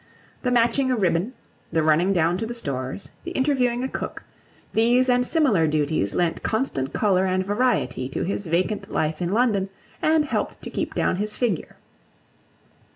The matching a ribbon, the running down to the stores, the interviewing a cook, these and similar duties lent constant colour and variety to his vacant life in London and helped to keep down his figure.